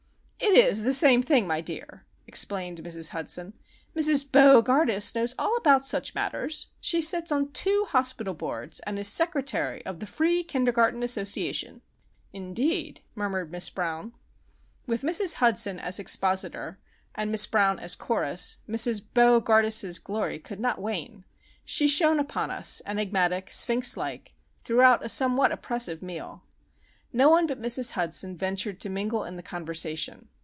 "It is the same thing, my dear," explained Mrs. Hudson. "Mrs. Bo gardus knows all about such matters. She sits on two hospitals boards, and is Secretary of the Free Kindergarten Association." "Indeed!" murmured Miss Brown. With Mrs. Hudson as expositor, and Miss Brown as chorus, Mrs. Bo gardus's glory could not wane. She shone upon us, enigmatic, sphinx like, throughout a somewhat oppressive meal. No one but Mrs. Hudson ventured to mingle in the conversation.